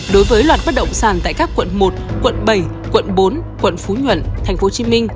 đối với loạt bất động sản tại các quận một quận bảy quận bốn quận phú nhuận tp hcm